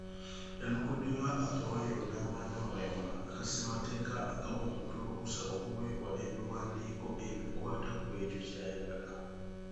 Yanokoddeyo akawaayiro nnamba ana mu emu aka Ssemateeka akawa omuntu olukusa okuweebwa ebiwandiiko ebikwata kw'ekyo ky'ayagala.